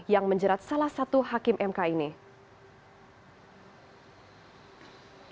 yang menjerat salah satu hakim mk ini